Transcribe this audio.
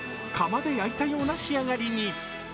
窯で焼いたような仕上がりに。